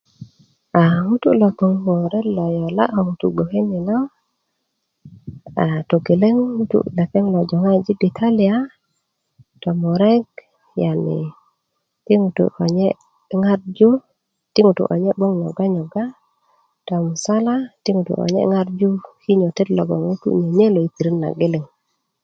aa ŋutu' lo gboŋ ko ret lo yola' ko ŋuti' gboke ni lo aa togeleŋ lepeŋ lo koŋ jibitaliya tomurek yani ti ŋuti' konye' ŋarju ti ŋutu' konye' gboŋ nyohanyoga tomusala ti ŋutu' konye' ŋarju kinyotot logoŋ ŋutu' nyönyö lo yi pirit nageleŋ